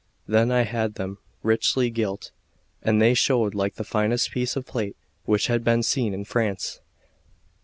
Then I had them richly gilt, and they showed like the finest piece of plate which had been seen in France.